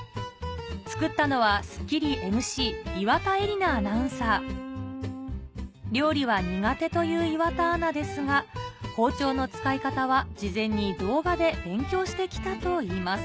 作ったのは『スッキリ』ＭＣ料理は苦手という岩田アナですが包丁の使い方は事前に動画で勉強して来たといいます